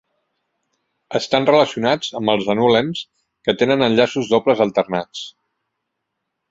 Estan relacionats amb els anulens que tenen enllaços dobles alternats.